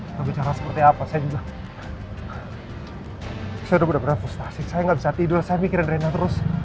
lo bicara seperti apa saya sudah berfustasi saya tidak bisa tidur saya mikirin rena terus